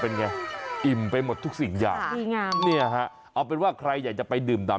เป็นไงอิ่มไปหมดทุกสิ่งอย่าง